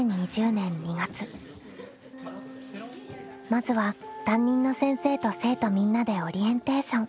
まずは担任の先生と生徒みんなでオリエンテーション。